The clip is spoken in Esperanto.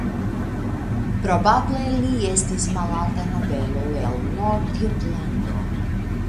Probable li estis malalta nobelo el Nordjutlando.